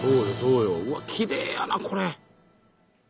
うわっきれいやなこれ！